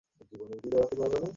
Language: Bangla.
বাম দিকে তো, ঠিক আছে?